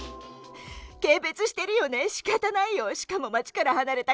軽蔑してるよね、しかたないよ、しかも街から離れた